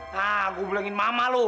nah gue belongin mama lo